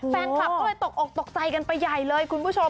แฟนคลับก็เลยตกอกตกใจกันไปใหญ่เลยคุณผู้ชม